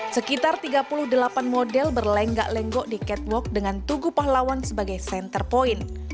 sekitar tiga puluh delapan model berlenggak lenggok di catwalk dengan tugu pahlawan sebagai center point